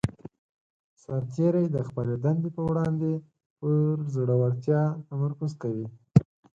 سرتیری د خپلې دندې په وړاندې پر زړه ورتیا تمرکز کوي.